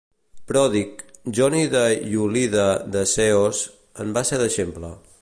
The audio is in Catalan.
Pròdic, joni de Iúlide de Ceos, en va ser deixeble.